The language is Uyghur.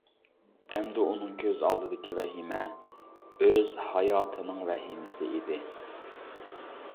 ئەمدى ئۇنىڭ كۆز ئالدىدىكى ۋەھىمە ئۆز ھاياتىنىڭ ۋەھىمىسى ئىدى.